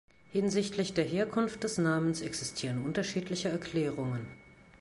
Hinsichtlich der Herkunft des Namens existieren unterschiedliche Erklärungen.